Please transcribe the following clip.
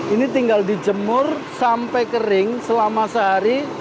ini tinggal dijemur sampai kering selama sehari